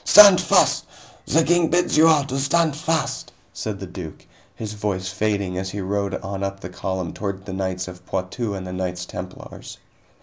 "Stand fast. The King bids you all to stand fast," said the duke, his voice fading as he rode on up the column toward the knights of Poitou and the Knights Templars.